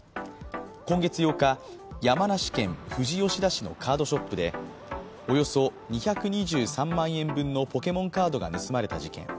今月８日、山梨県富士吉田市のカードショップでおよそ２２３万円分のポケモンカードが盗まれた事件。